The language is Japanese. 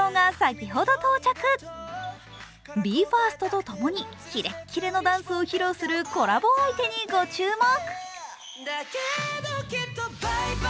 ＢＥ：ＦＩＲＳＴとともにキレッキレのダンスを披露するコラボ相手に御注目。